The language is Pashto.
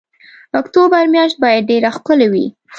اکتوبر میاشت باید ډېره ښکلې وي.